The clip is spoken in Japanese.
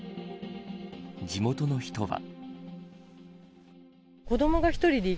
地元の人は。